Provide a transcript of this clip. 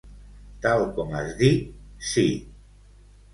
Tal com has dit; sí.